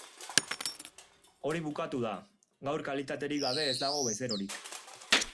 Hori bukatu da, gaur kalitaterik gabe ez dago bezerorik.